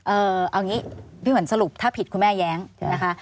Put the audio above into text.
เอาอย่างนี้พี่ขวัญสรุปถ้าผิดคุณแม่แย้งนะคะ